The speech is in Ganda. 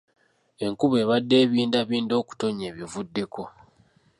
Enkuba ebadde ebindabinda okutonya ebivuddeko.